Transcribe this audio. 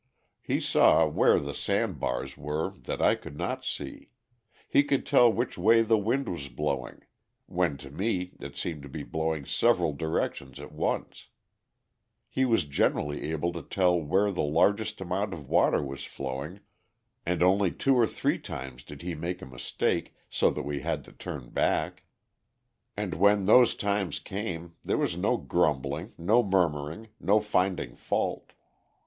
He saw where the sand bars were that I could not see; he could tell which way the wind was blowing, when to me it seemed to be blowing several directions at once; he was generally able to tell where the largest amount of water was flowing, and only two or three times did he make a mistake so that we had to turn back. And when those times came, there was no grumbling, no murmuring, no finding fault.